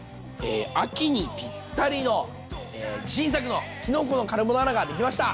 秋にぴったりの自信作のきのこのカルボナーラができました！